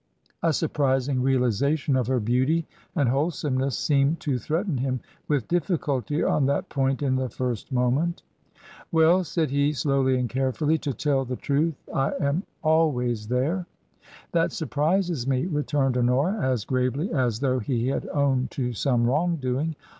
A surprising realization of her beauty and wholesomeness seemed to threaten him with difficulty on that point in the first moment. "Well," said he, slowly and carefully; "to tell the truth, I am always there." " That surprises me," returned Honora, as gravely as though he had owned to some wrong doing.